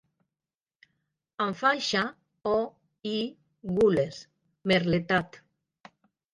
Amb faixa o/i gules, merletat.